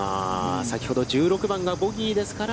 先ほど、１６番がボギーですから。